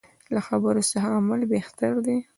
له خبرو څه عمل بهتر دی.